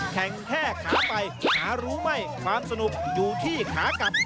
แข่งแค่ขาไปขารู้ไม่ความสนุกอยู่ที่ขากลับ